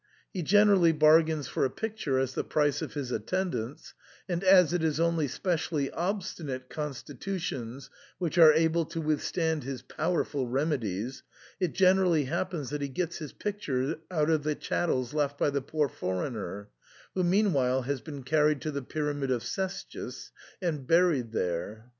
He generally bar gains for a picture as the price of his attendance ; and as it is only specially obstinate constitutions which are able to withstand his powerful remedies, it generally happens that he gets his picture out of the chattels left by the poor foreigner, who meanwhile has been carried to the Pyramid of Cestius, and buried there.